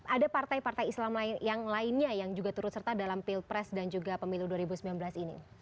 ada partai partai islam yang lainnya yang juga turut serta dalam pilpres dan juga pemilu dua ribu sembilan belas ini